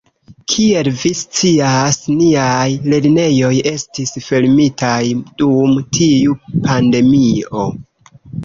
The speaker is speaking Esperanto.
Kiel vi scias, niaj lernejoj estis fermitaj dum tiu pandemio.